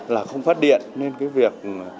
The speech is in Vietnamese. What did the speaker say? là không phát điện nên cái việc